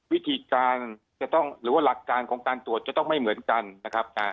วิธีการจะต้องหรือว่าหลักการของการตรวจจะต้องไม่เหมือนกันนะครับ